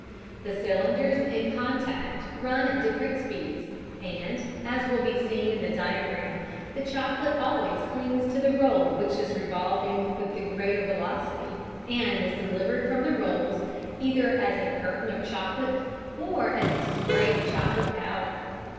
The cylinders in contact run at different speeds, and, as will be seen in the diagram, the chocolate always clings to the roll which is revolving with the greater velocity, and is delivered from the rolls either as a curtain of chocolate or as a spray of chocolate powder.